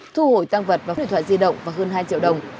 thu hồi tang vật và cướp điện thoại di động và hơn hai triệu đồng